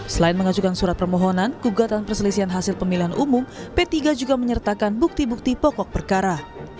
selain mengajukan surat permohonan gugatan perselisihan hasil pemilihan umum p tiga juga menyertakan bukti bukti pokok perkara